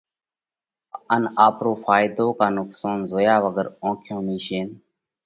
ان آپرو ڦائيۮو ڪا نُقصون زويا وڳر اونکيون ميشينَ